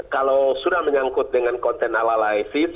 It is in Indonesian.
kalau sudah menyangkut dengan content analysis